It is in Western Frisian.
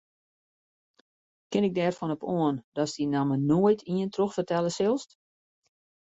Kin ik derfan op oan datst dy namme noait oan ien trochfertelle silst?